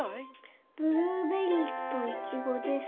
ブルーベリーとイチゴです。